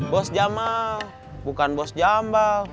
bos jambal bukan bos jambal